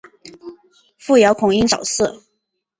父姚孔瑛早逝。